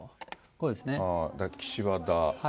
岸和田。